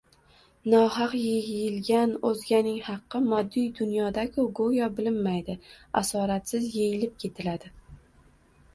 Nohaq yeyilgan o‘zganing haqi moddiy dunyoda-ku go‘yo bilinmay, asoratsiz yeyilib ketiladi.